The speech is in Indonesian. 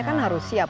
kan harus siap